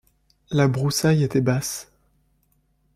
La broussaille était basse.